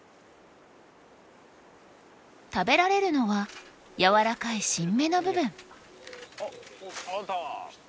食べられるのはやわらかい新芽の部分。